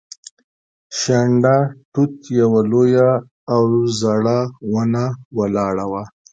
شنډه توت یوه لویه او زړه ونه ولاړه وه.